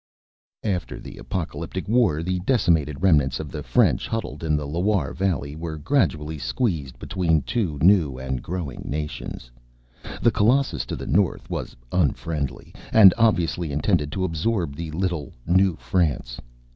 _After the Apocalyptic War, the decimated remnants of the French huddled in the Loire Valley were gradually squeezed between two new and growing nations. The Colossus to the north was unfriendly and obviously intended to absorb the little New France.